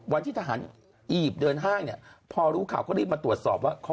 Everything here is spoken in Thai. วันที่ทหารอียิปต์เดินห้างเนี่ยพอรู้ข่าวก็รีบมาตรวจสอบว่าเขา